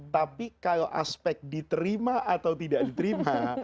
tapi kalau aspek diterima atau tidak diterima